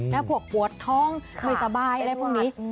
แล้วพวกปวดท้องไม่สบายอะไรพวกนี้